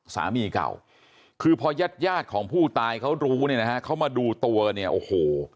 สามีเก่าคือพอยาดของผู้ตายเขารู้เนี่ยนะฮะเขามาดูตัวเนี่ยโอ้โห